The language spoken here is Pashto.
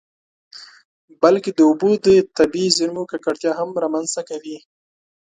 بلکې د اوبو د طبیعي زیرمو ککړتیا هم رامنځته کوي.